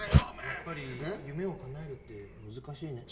やっぱり夢をかなえるって難しいね。